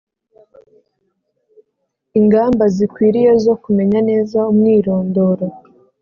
ingamba zikwiriye zo kumenya neza umwirondoro